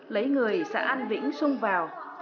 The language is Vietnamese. lấy người sẽ ăn vĩnh sung vào